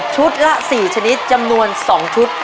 ละ๔ชนิดจำนวน๒ชุด